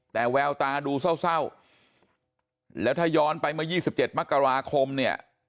แต่แววตาดูเศร้าแล้วถ้าย้อนไปเมื่อ๒๗มกราคมเนี่ย